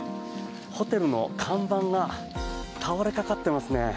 ホテルの看板が倒れかかっていますね。